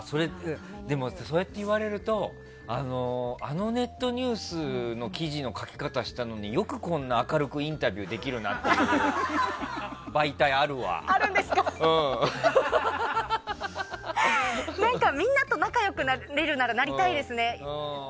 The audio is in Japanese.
でも、そうやって言われるとあのネットニュースの記事の書き方したのによくこんなに明るくインタビューできるなっていうみんなと仲良くなれるならなりたいですね。